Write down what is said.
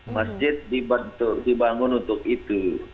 masjid dibangun untuk itu